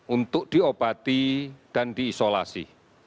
untuk diobati dan diisolasi